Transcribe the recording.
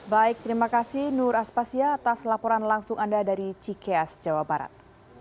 baik terima kasih nur aspasya atas laporan langsung anda dari cikeas jawa barat